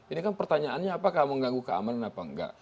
ini kan pertanyaannya apakah mengganggu keamanan apa enggak